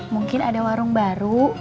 mungkin ada warung baru